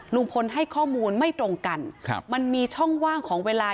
ลุงพลให้ข้อมูลไม่ตรงกันครับมันมีช่องว่างของเวลา